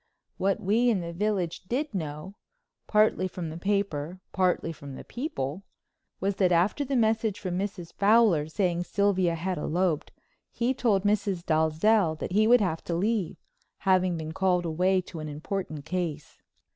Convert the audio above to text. What we in the village did know—partly from the papers, partly from people—was that after the message from Mrs. Fowler saying Sylvia had eloped, he told Mrs. Dalzell he would have to leave, having been called away to an important case.